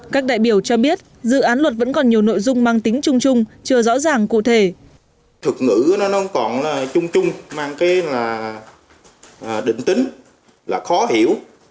các đại biểu cho biết dự án luật vẫn còn nhiều nội dung mang tính chung chung chưa rõ ràng cụ thể